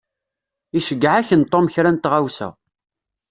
Iceyyeɛ-ak-n Tom kra n tɣawsa.